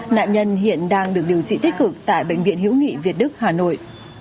nạn nhân hiện đang được điều trị tích cực tại bệnh viện hữu nghị việt đức hà nội